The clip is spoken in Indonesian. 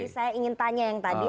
saya ingin tanya yang tadi